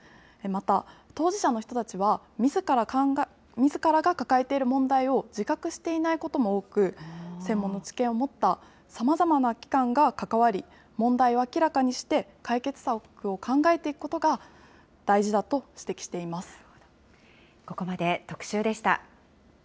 また、当事者の人たちは、みずからが抱えている問題を自覚していないことも多く、専門の知見を持った、さまざまな機関が関わり、問題を明らかにして、解決策を考えていくことが大事だと指摘しています。